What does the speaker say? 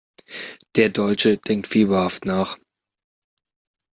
Der Deutsche denkt fieberhaft nach.